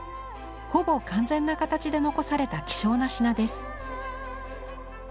ほぼ完全な形で残された希少な品です。